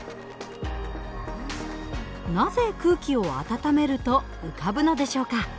なぜ空気を温めると浮かぶのでしょうか？